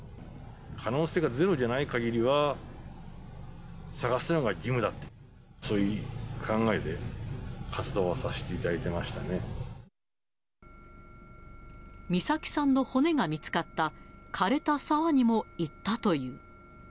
可能性はゼロじゃないかぎりは、捜すのが義務だ、そういう考えで活動はさせていただいていました美咲さんの骨が見つかった、かれた沢にも行ったという。